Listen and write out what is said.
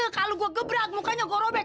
kalau gue gebrek mukanya gue robek